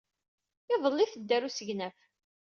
Iḍelli ay tedda ɣer usegnaf.